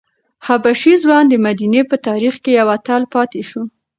حبشي ځوان د مدینې په تاریخ کې یو اتل پاتې شو.